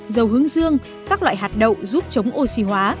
dầu hướng dương các loại hạt đậu giúp chống oxy hóa